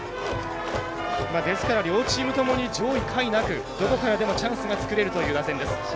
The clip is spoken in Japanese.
ですから両チームともに上位、下位なくどこからでもチャンスが作れるという打線です。